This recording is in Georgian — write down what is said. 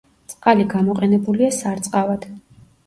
წყალი გამოყენებულია სარწყავად.